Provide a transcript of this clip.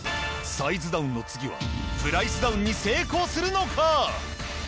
サイズダウンの次はプライスダウンに成功するのか！？